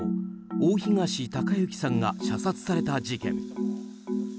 大東隆行さんが射殺された事件。